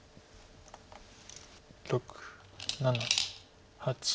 ６７８。